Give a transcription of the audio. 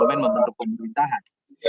jadi itu adalah bentuk pemerintahan